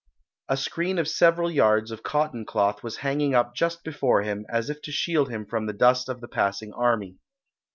A screen of several yards of cotton cloth was hanging up just before him, as if to shield him from the dust of the passing army.